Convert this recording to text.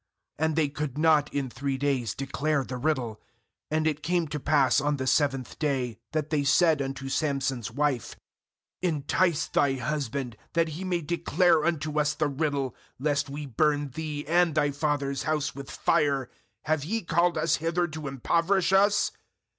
And they could not in three days declare the riddle. 15And it came to pass on the seventh day, that they said unto Samson's wife; 'Entice thy husband, that he may declare unto us the riddle, lest we burn thee and thy father's house with fire; have ye called us hither to impoverish us?'